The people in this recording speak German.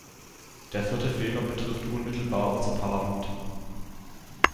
Der vierte Fehler betrifft unmittelbar unser Parlament.